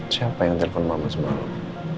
siapa yang telpon mama semalam